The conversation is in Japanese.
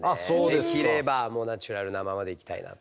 できればもうナチュラルなままでいきたいなと。